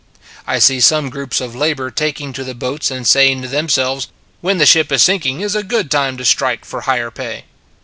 I see some groups of labor taking to the boats and saying to themselves: " When the ship is sinking is a good time to strike for higher pay."